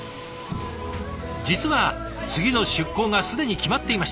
実は次の出港が既に決まっていました。